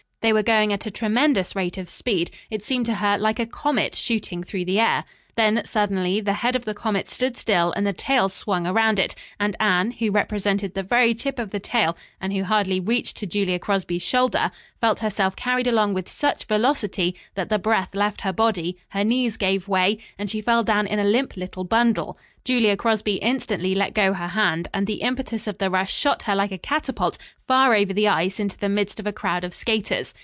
They were going at a tremendous rate of speed, it seemed to her, like a comet shooting through the air. Then, suddenly, the head of the comet stood still and the tail swung around it, and Anne, who represented the very tip of the tail and who hardly reached to Julia Crosby's shoulder, felt herself carried along with such velocity that the breath left her body, her knees gave way and she fell down in a limp little bundle. Julia Crosby instantly let go her hand and the impetus of the rush shot her like a catapult far over the ice into the midst of a crowd of skaters.